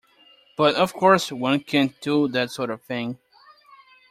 But, of course, one can't do that sort of thing.